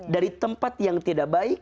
dari tempat yang tidak baik